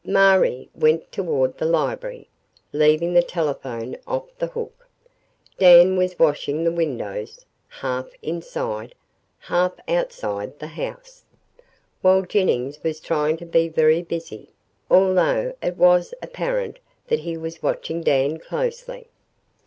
Marie went toward the library, leaving the telephone off the hook. Dan was washing the windows, half inside, half outside the house, while Jennings was trying to be very busy, although it was apparent that he was watching Dan closely.